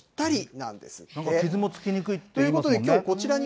なんか傷もつきにくいって言いますもんね。